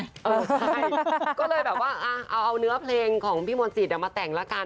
เออใช่ก็เลยแบบว่าเอาเนื้อเพลงของพี่มนต์สิทธิ์มาแต่งแล้วกัน